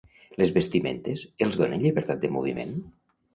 Les vestimentes els donen llibertat de moviment?